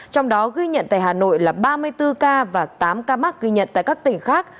trong đó ghi nhận tại hà nội là ba mươi bốn ca và tám ca mắc ghi nhận tại các tỉnh khác